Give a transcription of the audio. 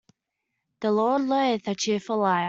The Lord loveth a cheerful liar.